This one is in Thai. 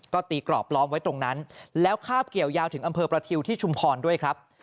ก็ตีกรอบล้อมไว้ตรงนั้นแล้วคาบเกี่ยวยาวถึงอำเภอประทิวที่ชุมพรด้วยครับ